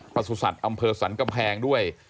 ประสุทธิ์สัตว์อำเภอสรรคแพงด้วย